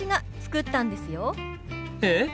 えっ？